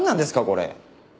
これ。